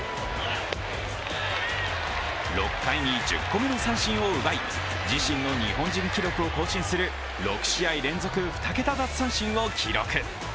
６回に１０個目の三振を奪い、自身の日本人記録を更新する６試合連続２桁奪三振を記録。